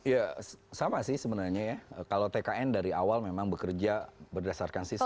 ya sama sih sebenarnya ya kalau tkn dari awal memang bekerja berdasarkan sistem